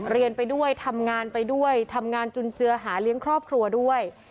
เรียนไปด้วยทำงานไปด้วยทำงานจุนเจือหาเลี้ยงครอบครัวด้วย